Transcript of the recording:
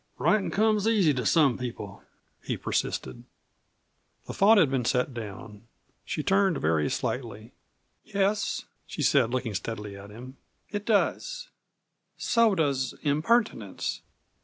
"Writin' comes easy to some people," he persisted. The thought had been set down; she turned very slightly. "Yes," she said looking steadily at him, "it does. So does impertinence."